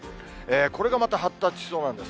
これがまた発達しそうなんです。